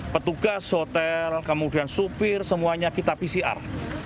petugas hotel kemudian supir semuanya kita pcr